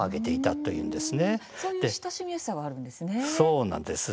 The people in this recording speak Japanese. そういう親しみやすさがあるんですね。